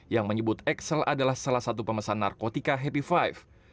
yang menyebut excel adalah salah satu pemesan narkotika happy five